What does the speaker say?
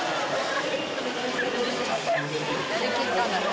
やりきったんだね。